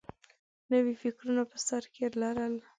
نوي فکرونه په سر کې لرل